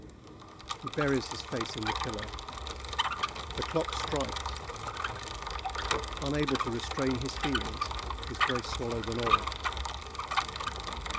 He buries his face in the pillow. The clock strikes! Unable to restrain his feelings, his Grace swallows an olive.